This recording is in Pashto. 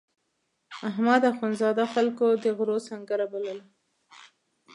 احمد اخوندزاده خلکو د غرو سنګړه بلله.